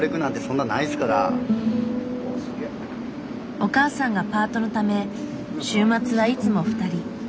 お母さんがパートのため週末はいつも２人。